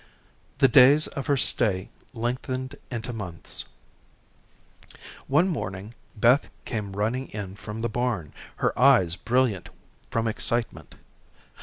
The days of her stay lengthened into months. One morning, Beth came running in from the barn, her eyes brilliant from excitement.